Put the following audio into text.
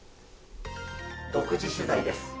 独自取材です。